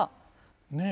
ねえ。